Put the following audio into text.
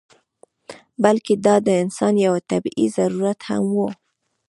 بلکې دا د انسان یو طبعي ضرورت هم و.